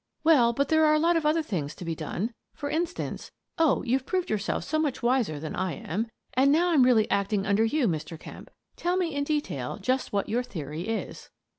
" Well, but there are a lot of other things to be done. For instance — oh, you've proved yourself so much wiser than I am ; and I'm now really acting under you, Mr. Kemp — tell me in detail just what your theory is."